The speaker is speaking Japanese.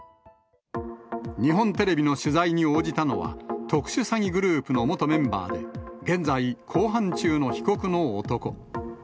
日本テレビの取材に応じたのは、特殊詐欺グループの元メンバーで、現在、公判中の被告の男。